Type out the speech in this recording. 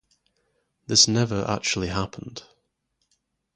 This never actually happened.